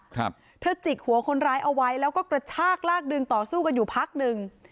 ครับเธอจิกหัวคนร้ายเอาไว้แล้วก็กระชากลากดึงต่อสู้กันอยู่พักหนึ่ง